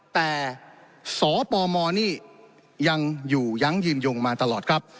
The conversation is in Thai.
แต่สปมนี่ยังอยู่ยั้งยืนยงมาตลอดครับ